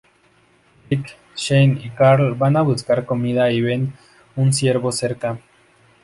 Rick, Shane y Carl van a buscar comida y ven un ciervo cerca.